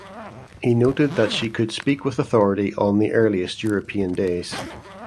He noted that she "could speak with authority on the earliest European days".